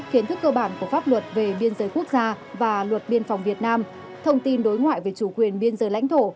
kiến thức cơ bản của pháp luật về biên giới quốc gia và luật biên phòng việt nam thông tin đối ngoại về chủ quyền biên giới lãnh thổ